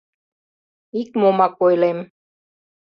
Икмомак ойлем.